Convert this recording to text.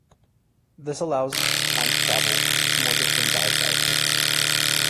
This allows time to travel to more distant divesites.